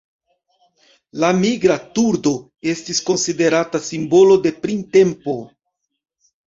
La Migra turdo estis konsiderata simbolo de printempo.